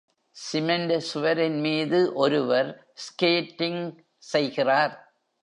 Cement சுவரின் மீது ஒருவர் ஸ்கேட்டிங் செய்கிறார்.